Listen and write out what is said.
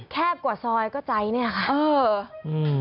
แคบกว่าซอยก็ใจนี่ค่ะเออ